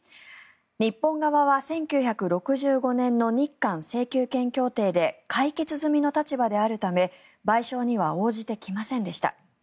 日本側は１９６５年の日韓請求権協定で解決済みの立場であるため賠償には応じてきませんでした。